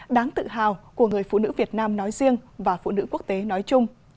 đáng tự hào của người phụ nữ việt nam nói riêng và phụ nữ quốc tế nói chung